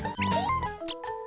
えっ？